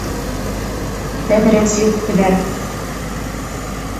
Тәҙрә сирттеләр.